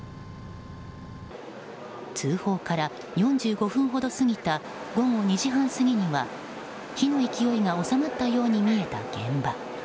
通報から４５分ほど過ぎた午後２時半過ぎには火の勢いが収まったように見えた現場。